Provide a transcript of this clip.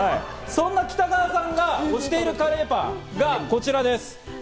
そんな北川さんが推しているカレーパンがこちらです。